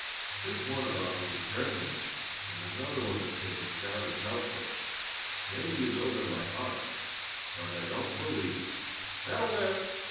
"There's one about being friendly, and another that says a scout is helpful. Maybe you know them by heart, but I don't believe " "That'll do!"